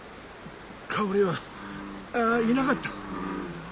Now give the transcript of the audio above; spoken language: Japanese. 香織はいなかった。